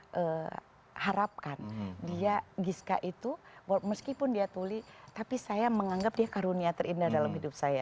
saya harapkan dia giska itu meskipun dia tuli tapi saya menganggap dia karunia terindah dalam hidup saya